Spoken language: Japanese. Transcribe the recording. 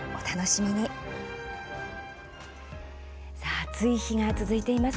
暑い日が続いています。